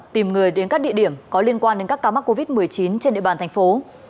tìm người đến các địa điểm có liên quan đến các ca mắc covid một mươi chín trên địa bàn thành phố